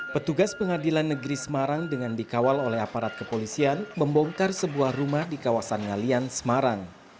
petugas pengadilan negeri semarang dengan dikawal oleh aparat kepolisian membongkar sebuah rumah di kawasan ngalian semarang